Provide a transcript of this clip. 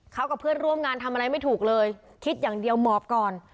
เขากับเพื่อนร่วมงานทำอะไรไม่ถูกเลยคิดอย่างเดียวหมอบก่อน